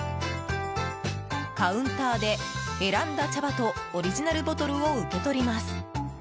カウンターで、選んだ茶葉とオリジナルボトルを受け取ります。